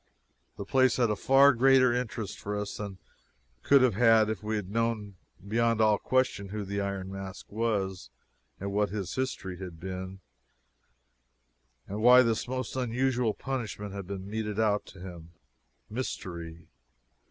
The place had a far greater interest for us than it could have had if we had known beyond all question who the Iron Mask was, and what his history had been, and why this most unusual punishment had been meted out to him. Mystery!